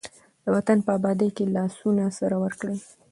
د وطن په ابادۍ کې لاسونه سره ورکړئ.